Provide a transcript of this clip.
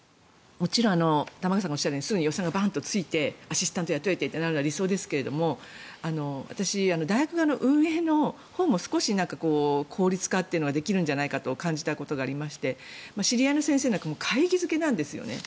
もちろん玉川さんがおっしゃるようにバーンとすぐに予算がついてアシスタント雇ってというのが理想ですが私、大学側の運営のほうも少し効率化というのができるんじゃないかと感じたことがありまして知り合いの先生なんかも会議漬けなんですよね。